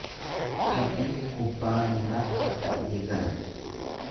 Taphni kubbaa miilaa har’a eegala.